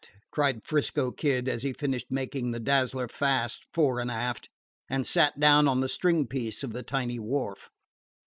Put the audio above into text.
cried 'Frisco Kid, as he finished making the Dazzler fast fore and aft, and sat down on the stringpiece of the tiny wharf.